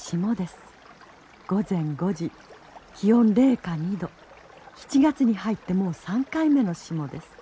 午前５時気温零下２度７月に入ってもう３回目の霜です。